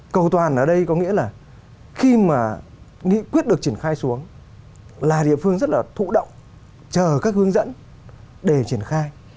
cầu toàn ở đây có nghĩa là khi mà nghị quyết được triển khai xuống là địa phương rất là thụ động chờ các hướng dẫn để triển khai